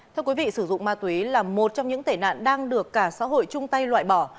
thưa quý vị sử dụng ma túy là một trong những tể nạn đang được cả xã hội trung tây loại bỏ